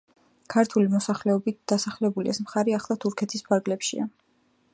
ქართული მოსახლეობით დასახლებული ეს მხარე ახლა თურქეთის ფარგლებშია.